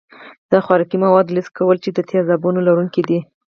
د خوراکي موادو لست کول چې د تیزابونو لرونکي دي.